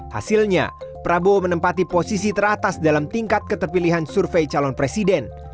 hasilnya prabowo menempati posisi teratas dalam tingkat keterpilihan survei calon presiden